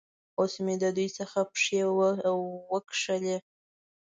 اوس مې د دوی څخه پښې وکښلې.